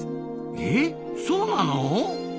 えっそうなの！？